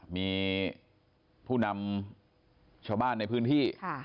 มีผู้นำชาวบ้านในพื้นที่